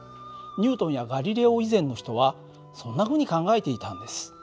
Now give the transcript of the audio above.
ニュートンやガリレオ以前の人はそんなふうに考えていたんです。